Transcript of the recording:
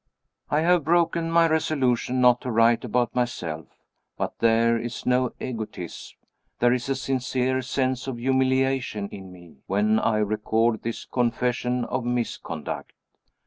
I have broken my resolution not to write about myself but there is no egotism, there is a sincere sense of humiliation in me, when I record this confession of misconduct.